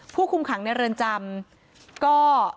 ผู้คุมขังในเรือนจำก็